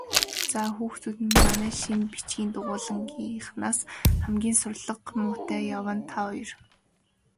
Заа, хүүхдүүд минь, манай шинэ бичгийн дугуйлангийнхнаас хамгийн сурлага муутай яваа нь та хоёр.